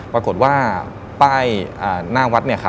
ปรากฏว่าป้ายหน้าวัด